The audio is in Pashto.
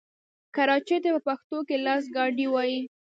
کراچۍ ته په پښتو کې لاسګاډی وايي.